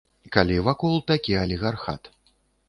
Калі вакол такі алігархат.